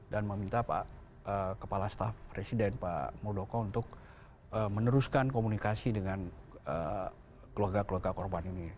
dan meminta kepala staff resident pak murdoko untuk meneruskan komunikasi dengan keluarga keluarga korban ini